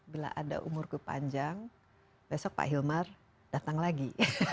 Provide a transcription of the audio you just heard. bila ada umurku panjang besok pak hilmar datang lagi